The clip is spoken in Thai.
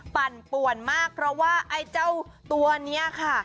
ปั่นป่วนมากเพราะว่าไอ้เจ้าตัวนี้ค่ะ